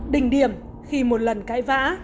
đình điểm khi một lần cãi vã